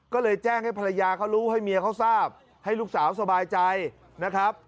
ก็เลยแจ้งให้ภรรยาเขารู้ให้เมียเขาทราบให้ลูกสาวสบายใจนะครับ